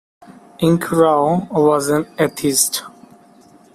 Ingrao was an atheist.